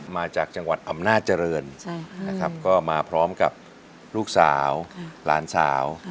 มาจากจังหวัดอำนาจเจริญนะครับก็มาพร้อมกับลูกสาวหลานสาว